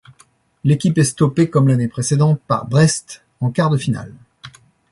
L’équipe est stoppée comme l’année précédente par Brest en quart de finale.